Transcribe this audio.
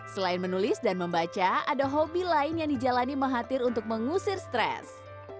selain menulis dan membaca ada hobi lain yang dijalani mahathir untuk mengusir stres